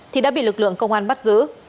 thì đã bị lực lượng công an bắt giữ